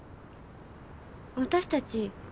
私たち